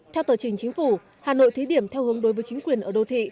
theo tờ trình chính phủ hà nội thí điểm theo hướng đối với chính quyền ở đô thị